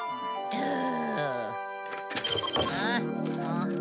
うん？